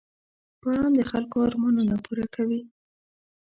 • باران د خلکو ارمانونه پوره کوي.